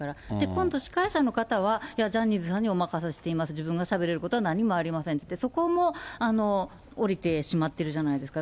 今度、司会者の方は、いや、ジャニーズさんにお任せしています、自分がしゃべれることは何もありませんって、そこも降りてしまっているじゃないですか。